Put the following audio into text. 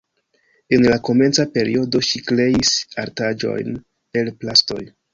En la komenca periodo ŝi kreis artaĵojn el plastoj.